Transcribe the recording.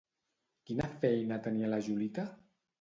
Quina feina tenia la Julita?